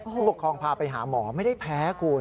ผู้ปกครองพาไปหาหมอไม่ได้แพ้คุณ